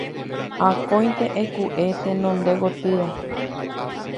Akóinte eku'e tenonde gotyo